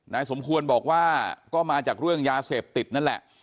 สมควรบอกว่าก็มาจากเรื่องยาเสพติดนั่นแหละ